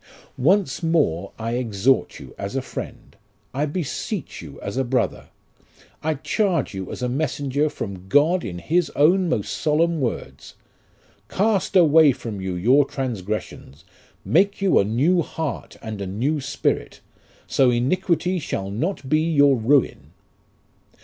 "Once more I exhort you as a friend; I beseech you as a brother; I charge you as a messenger from God in His own most solemn words, ' Cast away from you your transgressions, make you a new heart, and a new spirit ; so iniquity shall not be your ruin.'